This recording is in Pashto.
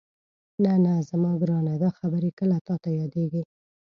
نه نه زما ګرانه دا خبرې کله تاته یادېږي؟